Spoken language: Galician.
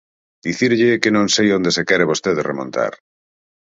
Dicirlle que non sei onde se quere vostede remontar.